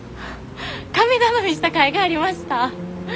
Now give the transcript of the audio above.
神頼みしたかいがありました。